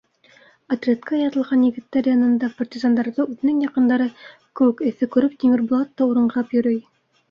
Отрядҡа яҙылған егеттәр янында, партизандарҙы үҙенең яҡындары кеүек эҫе күреп, Тимербулат та ураңғып йөрөй.